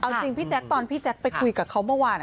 เอาจริงพี่แจ๊คตอนพี่แจ๊คไปคุยกับเขาเมื่อวาน